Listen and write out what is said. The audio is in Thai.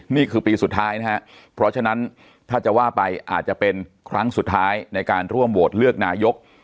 นี่คือปีสุดท้ายนะครับเพราะฉะนั้นถ้าจะว่าไปอาจจะเป็นครั้งสุดท้ายในการร่วมโหวตเลือกนายก